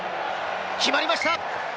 決まりました！